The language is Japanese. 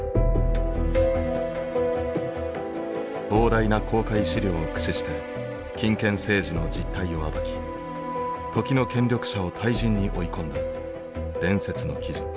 膨大な公開資料を駆使して金権政治の実態を暴き時の権力者を退陣に追い込んだ伝説の記事。